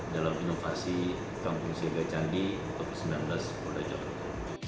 dalam inovasi kampung siaga candi untuk sembilan belas polda jateng